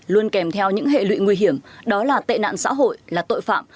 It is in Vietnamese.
luôn kèm theo những hệ lụy nguy hiểm đó là tệ nạn xã hội là tội phạm